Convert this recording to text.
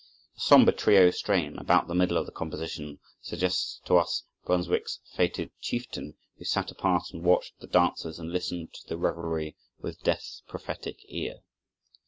The somber trio strain, about the middle of the composition, suggests to us "Brunswick's fated chieftain," who sat apart and watched the dancers and listened to the revelry with "Death's prophetic ear."